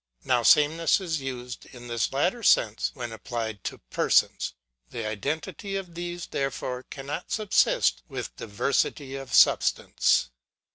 Now sameness is used in this latter sense, when applied to persons. The identity of these, therefore, cannot subsist with diversity of substance.